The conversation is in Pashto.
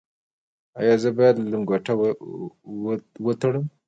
ایا زه باید لنګوټه ول تړم؟